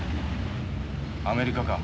アメリカか。